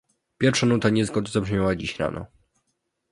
Pierwsza nuta niezgody zabrzmiała dziś rano